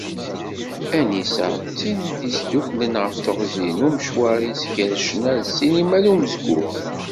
Anissa, d tin i d-yesduklen ɣef teɣzi n umecwar-is gar ccna, ssinima d umezgun.